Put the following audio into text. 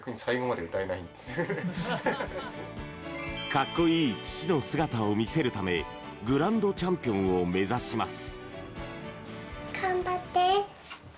かっこいい父の姿を見せるためグランドチャンピオンを目指します。